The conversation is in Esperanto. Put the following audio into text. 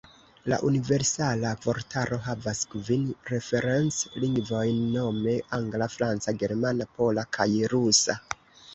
La Universala Vortaro havas kvin referenc-lingvojn, nome angla, franca, germana, pola kaj rusa.